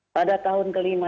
pada tahun kelima